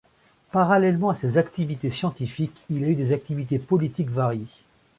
Parallèlement à ses activités scientifiques, il a eu des activités politiques variées.